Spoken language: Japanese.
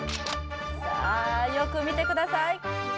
さあよく見てください